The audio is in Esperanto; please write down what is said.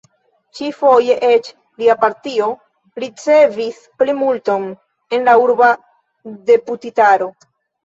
Ĉi-foje eĉ lia partio ricevis plimulton en la urba deputitaro.